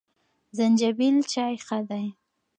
زنجبیل چای ښه دی.